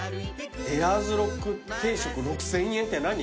エアーズロック定食６，０００円って何？